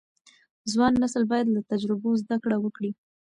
ځوان نسل باید له تجربو زده کړه وکړي.